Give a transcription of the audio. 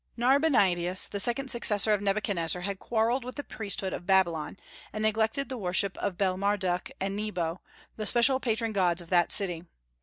Narbonadius, the second successor of Nebuchadnezzar, had quarrelled with the priesthood of Babylon, and neglected the worship of Bel Marduk and Nebo, the special patron gods of that city.